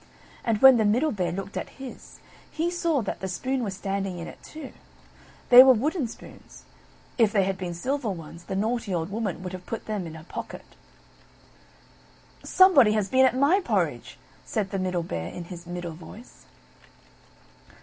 And when the Middle Bear looked at his, he saw that the spoon was standing in it too. They were wooden spoons; if they had been silver ones, the naughty old Woman would have put them in her pocket. "Somebody has been at my porridge!" said the Middle Bear in his middle voice.